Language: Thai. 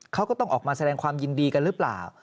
เขาก็ต้องออกมาแสดงความยินดีกันหรือเปล่า